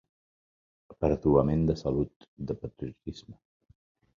Aperduament de salut, de patriotisme.